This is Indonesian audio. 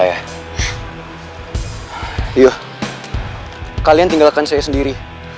ayo kalian tinggalkan saya sendiri